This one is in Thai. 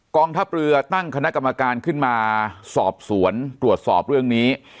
กองทัพเรือตั้งคณะกรรมการขึ้นมาสอบสวนตรวจสอบเรื่องนี้